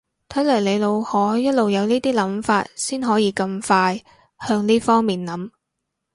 睇嚟你腦海一路有呢啲諗法先可以咁快向呢方面諗